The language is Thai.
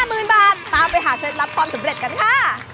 หมื่นบาทตามไปหาเคล็ดลับความสำเร็จกันค่ะ